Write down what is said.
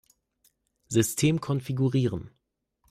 System konfigurieren.